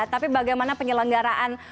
tapi bagaimana penyelenggaran